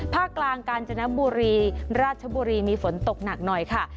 ภาคกลางกาญจนบุรีราชบุรีมีฝนตกหนักหน่อยค่ะ